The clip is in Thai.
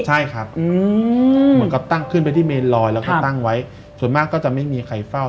ใช่ครับเหมือนกับตั้งขึ้นไปที่เมนลอยแล้วก็ตั้งไว้ส่วนมากก็จะไม่มีใครเฝ้า